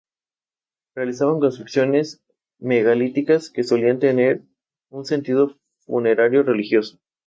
Tanto sólido como en solución acuosa presenta un color violeta intenso.